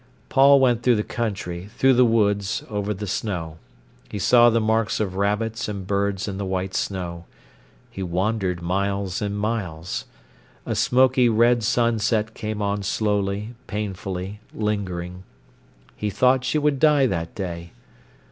Paul went through the country, through the woods, over the snow. He saw the marks of rabbits and birds in the white snow. He wandered miles and miles. A smoky red sunset came on slowly, painfully, lingering. He thought she would die that day.